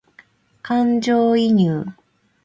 感情移入